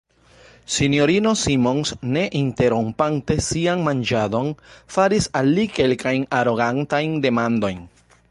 S-ino Simons, ne interrompante sian manĝadon, faris al li kelkajn arogantajn demandojn.